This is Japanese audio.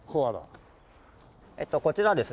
こちらはですね